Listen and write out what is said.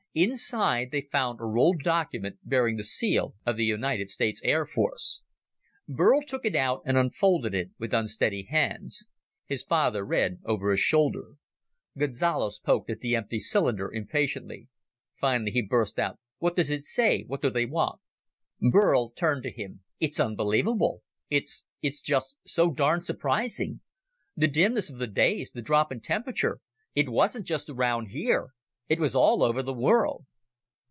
Inside, they found a rolled document bearing the seal of the United States Air Force. Burl took it out, and unfolded it with unsteady hands. His father read over his shoulder. Gonzales poked at the empty cylinder, impatiently. Finally, he burst out, "What does it say? What do they want?" Burl turned to him. "It's unbelievable! It's it's just so darned surprising! The dimness of the days, the drop in temperature it wasn't just around here! It was all over the world!"